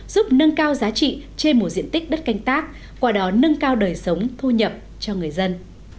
giúp nâng cao giá trị trên một diện tích đất canh tác qua đó nâng cao đời sống thu nhập cho người dân